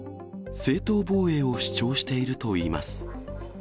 正当防衛を主張しているといいます。